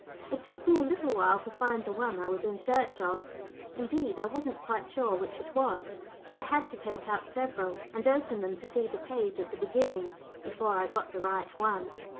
It took me a little while to find the one I was in search of; indeed, I wasn't quite sure which it was, and I had to take out several, and open them to see the page at the beginning before I got the right one.